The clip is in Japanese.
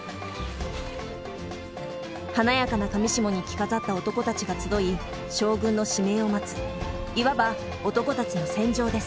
華やかな裃に着飾った男たちが集い将軍の指名を待ついわば男たちの戦場です。